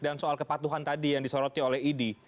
dan soal kepatuhan tadi yang disoroti oleh idi